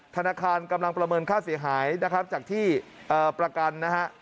ธนาคารกำลังประเมินค่าเสียหายจากที่ประกัน